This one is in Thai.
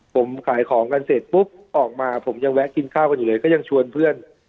ผมขายของกันเสร็จปุ๊บออกมาผมยังแวะกินข้าวกันอยู่เลยก็ยังชวนเพื่อน